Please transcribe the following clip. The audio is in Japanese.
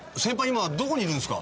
今どこにいるんですか？